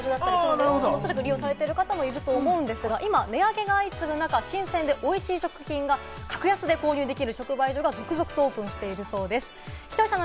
道の駅などにある直売所、おそらく利用された方もいると思うんですが、値上げが相次ぐ中、今、新鮮でおいしい食品が格安で購入できる直売所がオープンしているんです。